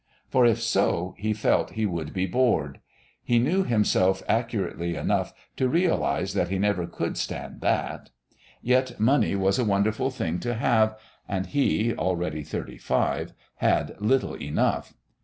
For if so, he felt he would be bored. He knew himself accurately enough to realise that he never could stand that. Yet money was a wonderful thing to have, and he, already thirty five, had little enough!